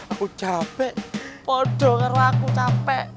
aku capek podoh karna aku capek